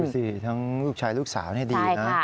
สิทั้งลูกชายลูกสาวนี่ดีนะ